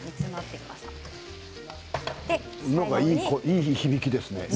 いい響きですね。